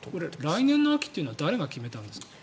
来年の秋というのは誰が決めたんですか？